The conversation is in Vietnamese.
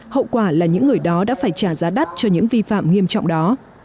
hậu quả là những người đó đã phải trả giá đắt cho những vi phạm nghiêm trọng đó